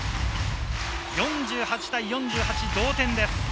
４８対４８の同点です。